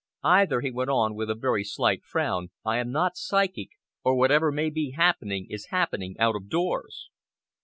"Either," he went on, with a very slight frown, "I am not psychic, or whatever may be happening is happening out of doors."